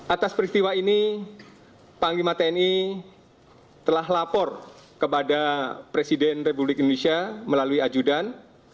atas peristiwa ini panglima tni telah lapor kepada presiden republik indonesia melalui ajudan